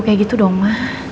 kayak gitu dong ma